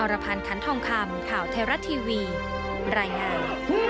รพันธ์คันทองคำข่าวไทยรัฐทีวีรายงาน